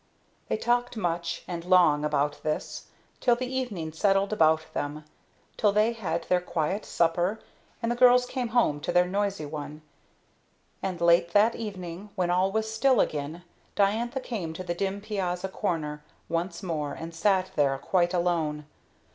They talked much and long about this, till the evening settled about them, till they had their quiet supper, and the girls came home to their noisy one; and late that evening, when all was still again, Diantha came to the dim piazza corner once more and sat there quite alone.